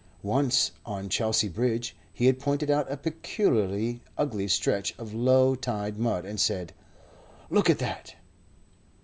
Once on Chelsea Bridge he had pointed out a peculiarly ugly stretch of low tide mud, and said: "Look at that."